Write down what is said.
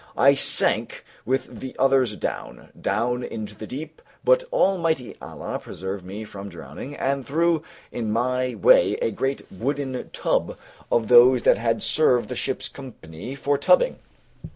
I sank with the others down, down into the deep, but Almighty Allah preserved me from drowning and threw in my way a great wooden tub of those that had served the ship's company for tubbing.